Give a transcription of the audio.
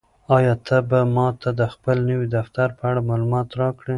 آیا ته به ماته د خپل نوي دفتر په اړه معلومات راکړې؟